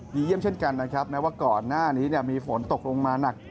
เยี่ยมเช่นกันนะครับแม้ว่าก่อนหน้านี้มีฝนตกลงมาหนัก